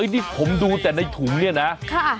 นี่ผมดูแต่ในถุงเนี่ยนะ